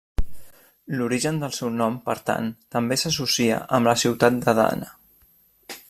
L'origen del seu nom, per tant, també s'associa amb la ciutat d'Adana.